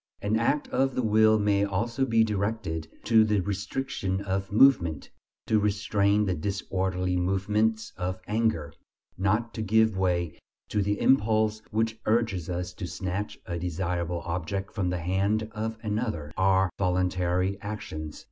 An act of the will may also be directed to the restriction of movement: to restrain the disorderly movements of anger; not to give way to the impulse which urges us to snatch a desirable object from the hand of another, are voluntary actions.